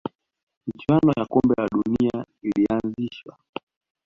michuano ya kombe la dunia ilianzishwa